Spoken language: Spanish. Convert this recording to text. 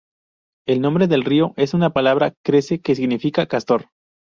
El nombre del río es una palabra cree que significa castor.